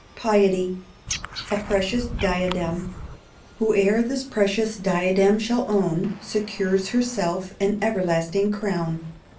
Piety A Precious Diadem. Whoe'er this precious diadem shall own, Secures herself an everlasting crown.